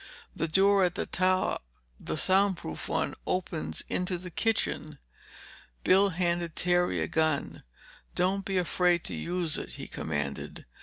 The door at the top—the sound proof one—opens into the kitchen." Bill handed Terry a gun. "Don't be afraid to use it," he commanded.